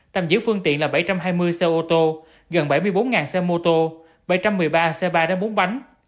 tạm giữ phương tiện là bảy trăm hai mươi xe ô tô gần bảy mươi bốn xe mô tô bảy trăm một mươi ba xe ba bốn bánh